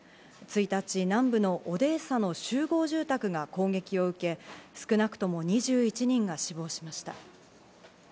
１日、南部のオデーサの集合住宅が攻撃を受け、少なくとも２１人が死亡しました。